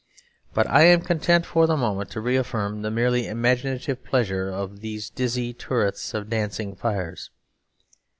But I am content for the moment to reaffirm the merely imaginative pleasure of those dizzy turrets and dancing fires.